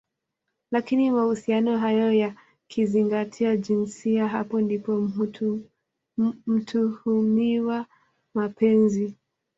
lakini mahusiano hayo yakizingatia jinsia hapo ndipo mtuhumiwa Mapenzi